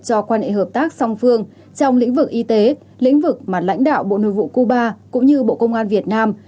cho quan hệ hợp tác song phương trong lĩnh vực y tế lĩnh vực mà lãnh đạo bộ nội vụ cuba cũng như bộ công an việt nam